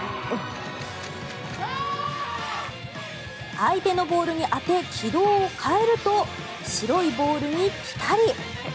相手のボールに当て軌道を変えると白いボールにぴたり。